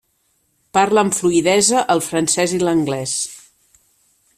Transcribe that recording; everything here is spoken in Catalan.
Parla amb fluïdesa el francès i l'anglès.